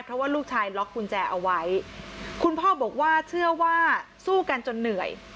เพราะว่าลูกชายล็อกกุญแจเอาไว้คุณพ่อบอกว่าเชื่อว่าสู้กันจนเหนื่อย